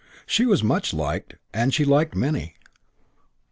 She was much liked, and she liked many.